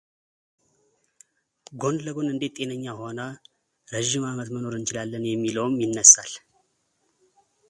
ጎን ለጎን እንዴት ጤነኛ ሆነን ረዥም ዓመት መኖር እንችላለን የሚለውም ይነሳል።